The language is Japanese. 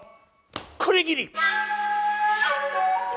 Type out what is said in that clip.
これぎり。